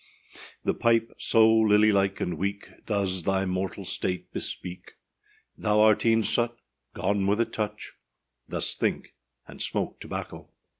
The pipe so lily like and weak, Does thus thy mortal state bespeak; Thou art eâen such,â Gone with a touch: Thus think, and smoke tobacco.